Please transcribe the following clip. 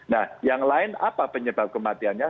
nah yang lain apa penyebab kematiannya